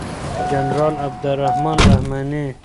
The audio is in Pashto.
جنرال عبدالرحمن رحماني